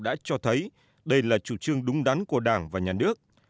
đã cho thấy đây là chủ trương đúng đắn của đảng và nhà nước